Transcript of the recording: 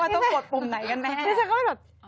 ต้องกดปุ่มไหนกันแน่